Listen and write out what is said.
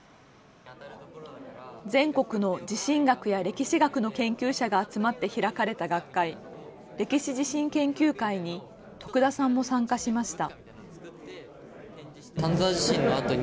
全国の地震学や歴史学の研究者が集まって開かれた学会歴史地震研究会に徳田さんも参加しました。